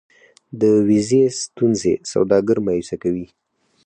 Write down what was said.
د ویزې ستونزې سوداګر مایوسه کوي.